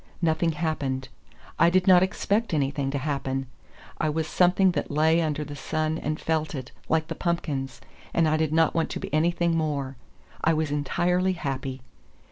Nothing happened. I did not expect anything to happen. I was something that lay under the sun and felt it, like the pumpkins, and I did not want to be anything more. I was entirely happy.